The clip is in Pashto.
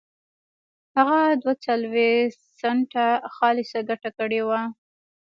هغه دوه څلوېښت سنټه خالصه ګټه کړې وه